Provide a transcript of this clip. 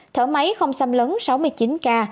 thở máy không xăm lấn sáu mươi chín ca